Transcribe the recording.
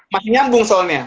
masih nyambung soalnya